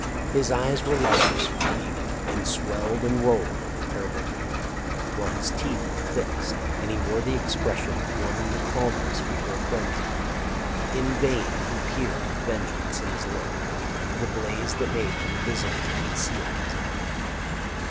His eyes were lustrous with fever, and swelled and rolled in terrible beauty, while his teeth were fixed, and he wore the expression of one in the calmness before frenzy. In vain he peered, with vengeance in his look ; the blaze that made him visible concealed his enemy.